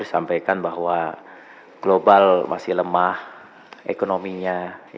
sampaikan bahwa global masih lemah ekonominya